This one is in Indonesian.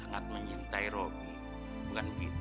maafin rum bang